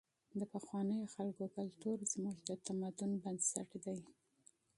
د پخوانیو خلکو کلتور زموږ د تمدن بنسټ دی.